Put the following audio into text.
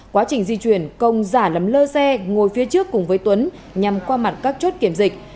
quá trình di chuyển công giả lấm lơ xe ngồi phía trước cùng với tuấn nhằm qua mặt các chốt kiểm dịch